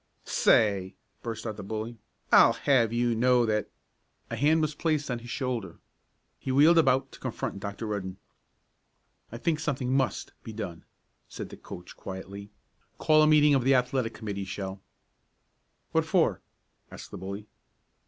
"Say!" burst out the bully. "I'll have you know that " A hand was placed on his shoulder. He wheeled about to confront Dr. Rudden. "I think something must be done," said the coach quietly. "Call a meeting of the Athletic Committee, Shell." "What for?" asked the bully.